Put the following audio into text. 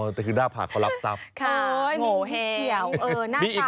อ๋อแต่คือหน้าผากเขารับซับค่ะโงเหี้ยว